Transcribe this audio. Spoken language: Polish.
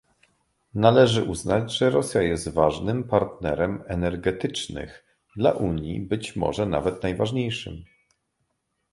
Należy uznać, że Rosja jest ważnym partnerem energetycznych dla Unii, być może nawet najważniejszym